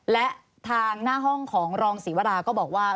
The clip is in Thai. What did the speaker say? และทางหน้าห้องของรองศรีวราก็บอกว่า